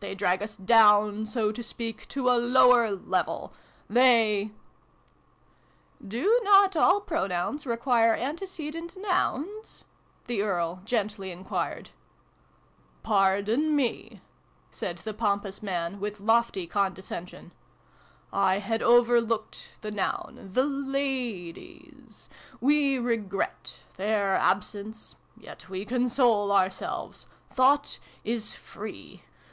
They drag us down, so to speak, to a lower level. They L 2 148 SYLVJE AND BRUNO CONCLUDED. " Do not all pronouns require antecedent nouns ?" the Earl gently enquired. " Pardon me," said the pompous man, with lofty condescension. " I had overlooked the noun. The ladies. We regret their absence. Yet we console ourselves. Thought is free.